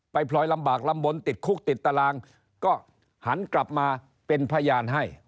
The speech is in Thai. พลอยลำบากลำบลติดคุกติดตารางก็หันกลับมาเป็นพยานให้